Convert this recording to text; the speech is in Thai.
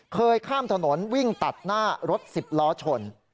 ข้ามถนนวิ่งตัดหน้ารถ๑๐ล้อชน